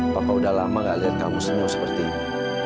papa udah lama gak lihat kamu semua seperti ini